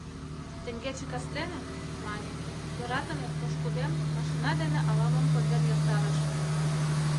— Теҥгече кастене, — мане, — «йӧратыме» пошкудем машина дене ала-мом конден ястарыш.